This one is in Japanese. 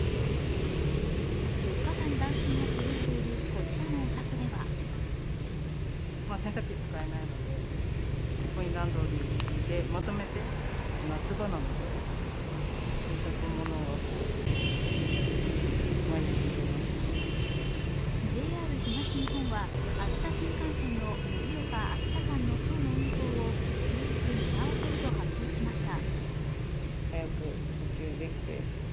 ４日間、断水が続いているこちらのお宅ではＪＲ東日本は秋田新幹線の盛岡−秋田間の今日の運行を終日見合わせると発表しました。